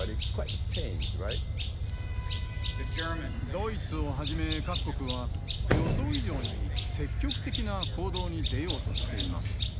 ドイツをはじめ各国は予想以上に積極的な行動に出ようとしています。